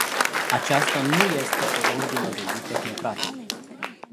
Aceasta nu este o ordine de zi tehnocratică.